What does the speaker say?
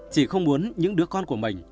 chị không muốn những đứa con của mình